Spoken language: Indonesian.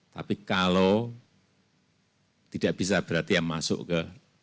tapi kalau tidak bisa berarti yang masuk ke